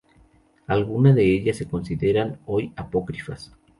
Algunas de ellas se consideran hoy apócrifas.